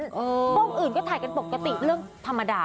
กล้องอื่นก็ถ่ายกันปกติเรื่องธรรมดา